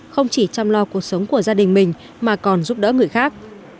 không chỉ chăm lo cuộc sống của gia đình mình mà còn giúp đỡ người khác